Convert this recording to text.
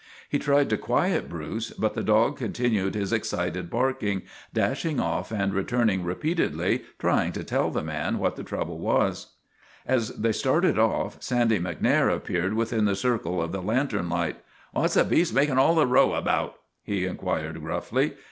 He tried to quiet Bruce, but the dog continued his excited barking, dashing off and returning re peatedly, trying to tell the man what the trouble was. As they started off, Sandy MacNair appeared within the circle of the lantern light. " What 's the beast makin' all the row about ?" he inquired gruffly.